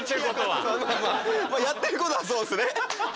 やってることはそうですね。